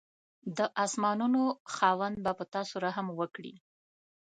د اسمانانو خاوند به په تاسو رحم وکړي.